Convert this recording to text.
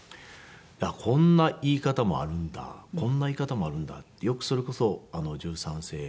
こんな言い方もあるんだこんな言い方もあるんだってよくそれこそ十三世は仁左衛門